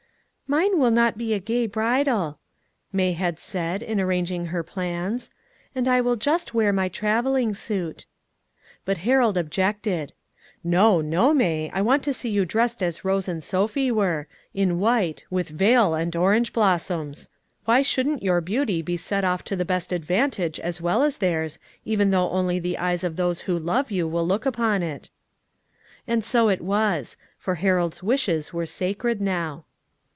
"Mine will not be a gay bridal," May had said, in arranging her plans; "and I will just wear my traveling suit." But Harold objected. "No, no, May; I want to see you dressed as Rose and Sophie were in white, with veil and orange blossoms. Why shouldn't your beauty be set off to the best advantage as well as theirs, even though only the eyes of those who love you will look upon it?" And so it was; for Harold's wishes were sacred now.